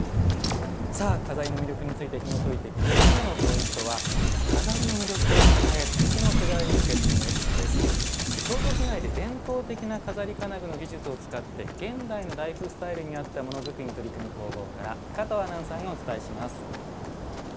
さあ錺の魅力についてひもといていく３つ目のポイントは京都市内で伝統的な錺金具の技術を使って現代のライフスタイルに合ったものづくりに取り組む工房から加藤アナウンサーがお伝えします。